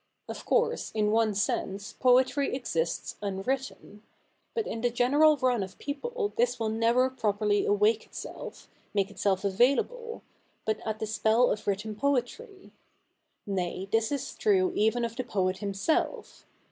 Of course in one sense poetry exists unwritten : but in the general run of people this will never properly awake itself, make itself available, but at the spell of written poetry. Nay, this is true even of the poet himself.